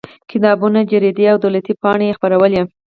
کتابونه جریدې او دولتي پاڼې یې خپرولې.